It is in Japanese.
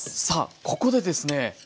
さあここでですね